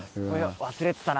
忘れてたな。